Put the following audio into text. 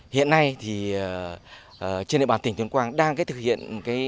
hiện nay trên địa bàn tỉnh tuyên quang đang thực hiện